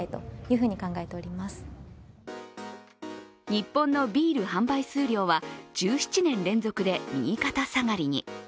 日本のビール販売数量は１７年連続で、右肩下がりに。